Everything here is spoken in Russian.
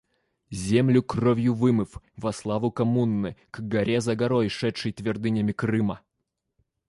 Землю кровью вымыв, во славу коммуны, к горе за горой шедший твердынями Крыма.